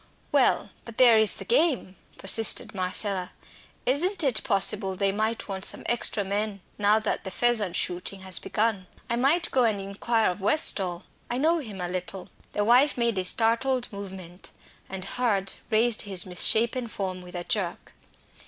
"Well, but there is the game," persisted Marcella. "Isn't it possible they might want some extra men now the pheasant shooting has begun. I might go and inquire of Westall I know him a little." The wife made a startled movement, and Hurd raised his misshapen form with a jerk.